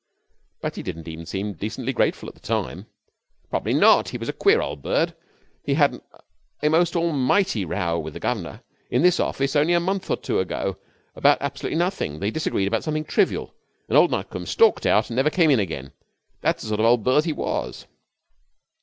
'But he didn't even seem decently grateful at the time.' 'Probably not. He was a queer old bird. He had a most almighty row with the governor in this office only a month or two ago about absolutely nothing. They disagreed about something trivial, and old Nutcombe stalked out and never came in again. That's the sort of old bird he was.'